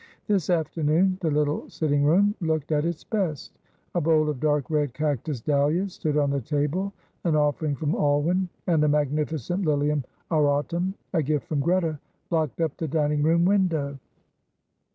This afternoon the little sitting room looked at its best. A bowl of dark red cactus dahlias stood on the table, an offering from Alwyn, and a magnificent Lilium auratum, a gift from Greta, blocked up the dining room window.